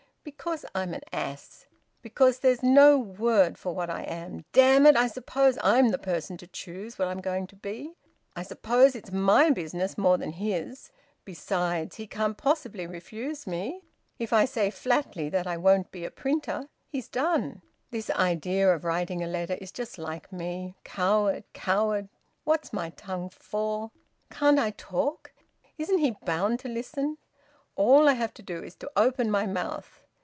Because I am an ass! Because there is no word for what I am! Damn it! I suppose I'm the person to choose what I'm going to be! I suppose it's my business more than his. Besides, he can't possibly refuse me. If I say flatly that I won't be a printer he's done. This idea of writing a letter is just like me! Coward! Coward! What's my tongue for? Can't I talk? Isn't he bound to listen? All I have to do is to open my mouth.